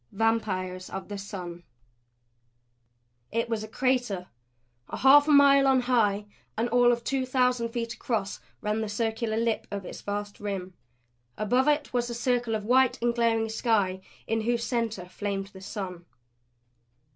VAMPIRES OF THE SUN It was a crater; a half mile on high and all of two thousand feet across ran the circular lip of its vast rim. Above it was a circle of white and glaring sky in whose center flamed the sun.